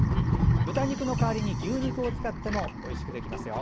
豚肉の代わりに牛肉を使ってもおいしいしくできますよ。